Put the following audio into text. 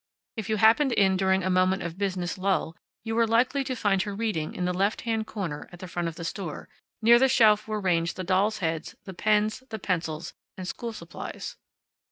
If you happened in during a moment of business lull, you were likely to find her reading in the left hand corner at the front of the store, near the shelf where were ranged the dolls' heads, the pens, the pencils, and school supplies.